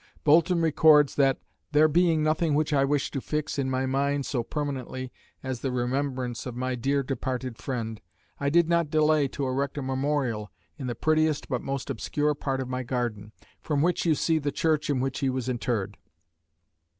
Boulton records that "there being nothing which I wish to fix in my mind so permanently as the remembrance of my dear departed friend, I did not delay to erect a memorial in the prettiest but most obscure part of my garden, from which you see the church in which he was interred."